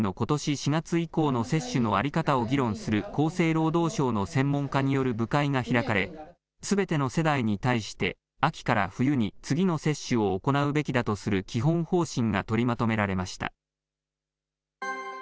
４月以降の接種の在り方を議論する厚生労働省の専門家による部会が開かれ、すべての世代に対して、秋から冬に次の接種を行うべきだとする基本方針が取りまとめられました。